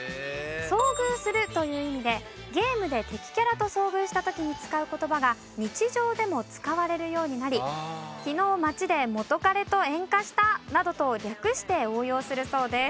「遭遇する」という意味でゲームで敵キャラと遭遇した時に使う言葉が日常でも使われるようになり「昨日街で元彼とエンカした」などと略して応用するそうです。